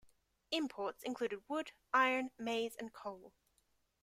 Imports included wood, iron, maize and coal.